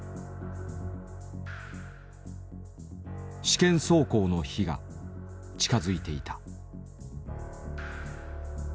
試験走行の日が近づいていた。